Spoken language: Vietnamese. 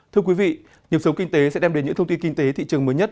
thưa quý vị nhập số kinh tế sẽ đem đến những thông tin kinh tế thị trường mới nhất